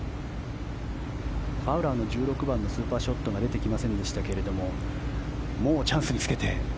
ファウラーの１６番のスーパーショットが出てきませんでしたがもうチャンスにつけて。